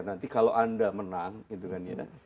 nanti kalau anda menang gitu kan ya